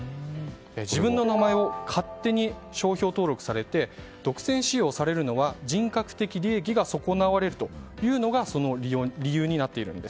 自分の名前を勝手に商標登録されて独占使用されるのは人格的利益が損なわれるというのがその理由になっているんです。